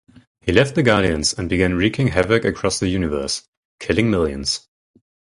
He left the Guardians and began wreaking havoc across the universe, killing millions.